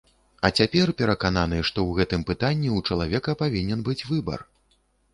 А цяпер перакананы, што ў гэтым пытанні ў чалавека павінен быць выбар.